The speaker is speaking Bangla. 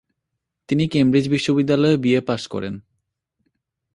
তিনি কেমব্রিজ বিশ্ববিদ্যালয়ে বি.এ পাশ করেন।